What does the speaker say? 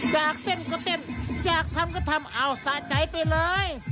อยากเต้นก็เต้นอยากทำก็ทำเอาสะใจไปเลย